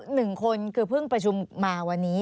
หนึ่งคนคือเพิ่งประชุมมาวันนี้